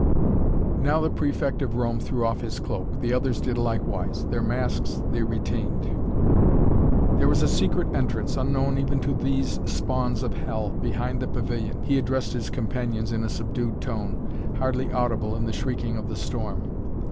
Now the Prefect of Rome threw off his cloak. The others did likewise. Their masks they retained. "There is a secret entrance, unknown even to these spawns of hell, behind the pavilion," he addressed his companions in a subdued tone, hardly audible in the shrieking of the storm.